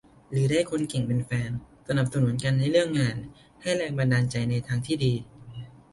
หรือได้คนเก่งเป็นแฟน สนับสนุนกันในเรื่องงาน ให้แรงบันดาลใจในทางที่ดี